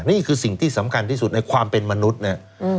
นี่คือสิ่งที่สำคัญที่สุดในความเป็นมนุษย์เนี่ย